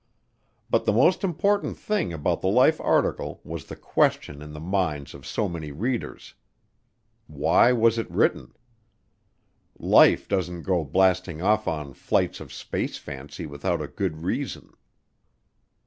But the most important thing about the Life article was the question in the minds of so many readers: "Why was it written?" Life doesn't go blasting off on flights of space fancy without a good reason.